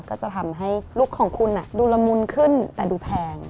ก็จะทำให้ลุคของคุณดูละมุนขึ้นแต่ดูแพง